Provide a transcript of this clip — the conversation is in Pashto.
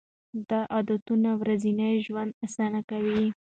دا عادتونه ورځنی ژوند اسانه کوي.